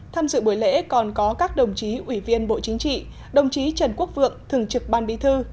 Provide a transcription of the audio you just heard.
tham dự buổi lễ còn có các đồng chí ủy viên bộ chính trị đồng chí trần quốc vượng thường trực ban bí thư